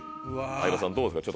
相葉さんどうですか？